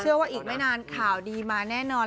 ว่าอีกไม่นานข่าวดีมาแน่นอน